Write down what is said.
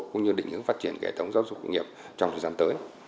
cũng như định hướng phát triển kẻ thống giáo dục doanh nghiệp trong thời gian tới